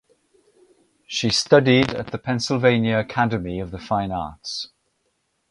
She studied at the Pennsylvania Academy of the Fine Arts.